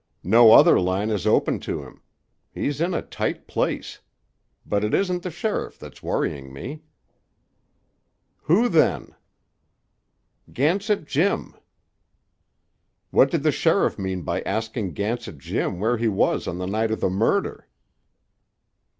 "No other line is open to him. He's in a tight place. But it isn't the sheriff that's worrying me." "Who, then?" "Gansett Jim." "What did the sheriff mean by asking Gansett Jim where he was the night of the murder?"